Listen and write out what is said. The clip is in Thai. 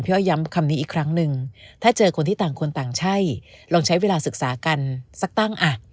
้อยย้ำคำนี้อีกครั้งหนึ่งถ้าเจอคนที่ต่างคนต่างใช่ลองใช้เวลาศึกษากันสักตั้งอ่ะ